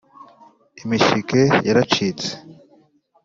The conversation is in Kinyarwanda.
imishike yaracitse